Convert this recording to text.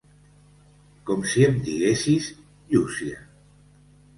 Com si em diguessis Llúcia.